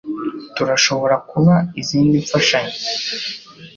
Turashobora kuba izindi mfashanyo?